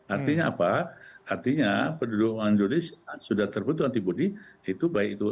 artinya apa artinya penduduk indonesia sudah terbentuk antibody itu baik itu